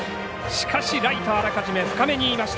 しかしライトあらかじめ深めにいました。